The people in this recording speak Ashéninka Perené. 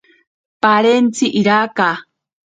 Parentzi iraka.